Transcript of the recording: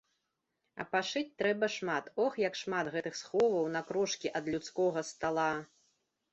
А пашыць трэба шмат, ох, як шмат гэтых сховаў на крошкі ад людскога стала!